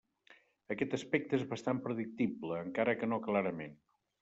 Aquest aspecte és bastant predictible, encara que no clarament.